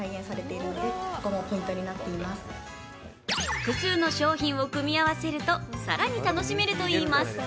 複数の商品を組み合わせると更に楽しめるといいます。